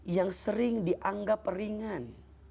yang sering dianggap ringan